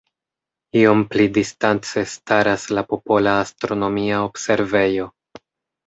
Iom pli distance staras la Popola astronomia observejo.